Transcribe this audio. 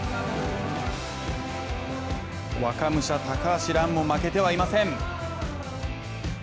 若武者・高橋藍も負けてはいません。